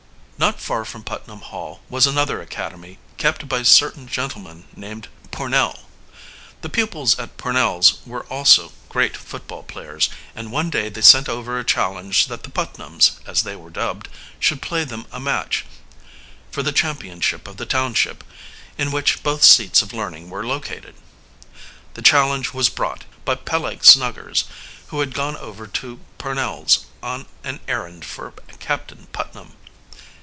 Not far from Putnam Hall was another academy kept by a certain gentleman named Pornell. The pupils at Pornell's were also great football players, and one day they sent over a challenge that the Putnams, as they were dubbed, should play them a match for the championship of the township in which both seats of learning were located. The challenge was brought, by Peleg Snuggers, who had gone over to Pornell's on an errand for Captain Putnam.